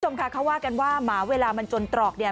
ค่ะเขาว่ากันว่าหมาเวลามันจนตรอกเนี่ย